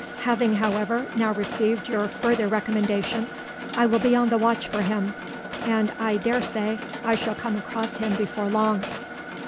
Having, however, now received your further recommendation, I will be on the watch for him, and I dare say I shall come across him before long."